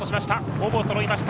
ほぼそろいました。